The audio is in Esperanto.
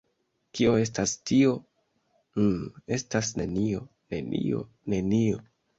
Kio estas tio? Mmm estas nenio, nenio, nenio...